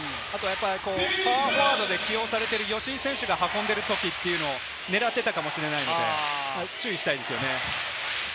パワーフォワードで起用されている吉井選手が運んでいるときに狙っていたかもしれないので注意したいですね。